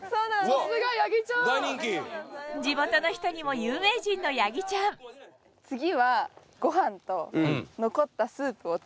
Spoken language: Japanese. さすがやぎちゃん地元の人にも有名人のやぎちゃん次はわい！